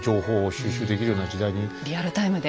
リアルタイムで。